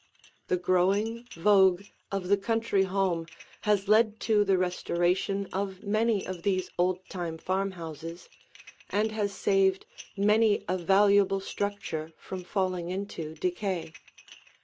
The growing vogue of the country home has led to the restoration of many of these old time farmhouses and has saved many a valuable structure from falling into decay.